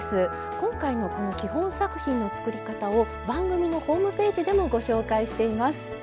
今回のこの基本作品の作り方を番組のホームページでもご紹介しています。